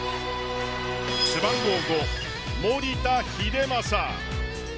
背番号５、守田英正。